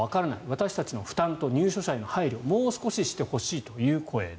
私たちの負担と入所者への配慮をもう少ししてほしいという声。